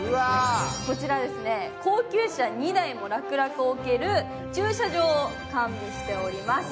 こちら高級車２台も楽々おける駐車場を完備しております。